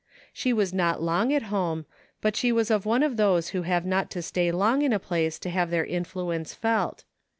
She was not long at home, but she was one of those who have not to stay long in a place to have their influence felt.